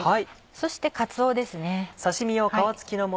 そしてかつおですね。